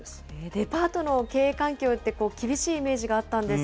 デパートの経営環境って、厳しいイメージがあったんです